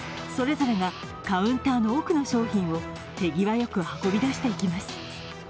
それぞれがカウンターの奥の商品を手際よく運び出していきます。